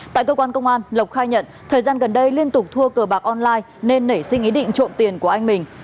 tại cơ quan công an lộc khai nhận thời gian gần đây liên tục thua cờ bạc online nên nảy sinh ý định trộm tiền của anh mình